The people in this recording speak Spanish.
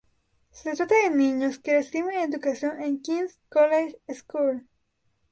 Se trata de niños que reciben educación en King's College School.